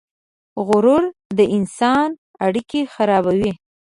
غرور د انسان اړیکې خرابوي.